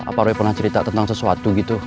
apa roy pernah cerita tentang sesuatu gitu